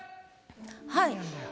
はい。